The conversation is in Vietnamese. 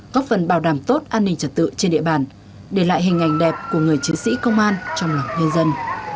góp phần bảo đảm tốt an ninh trật tự trên địa bàn để lại hình ảnh đẹp của người chiến sĩ công an trong lòng nhân dân